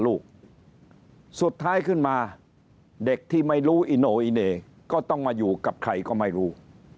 ลูกสุดท้ายขึ้นมาเด็กที่ไม่รู้อิโนอิเน่ก็ต้องมาอยู่กับใครก็ไม่รู้